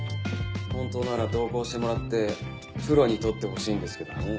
本当なら同行してもらってプロに撮ってほしいんですけどね。